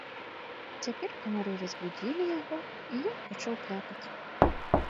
Цяпер камары разбудзілі яго, і ён пачаў плакаць.